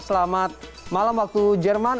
selamat malam waktu jerman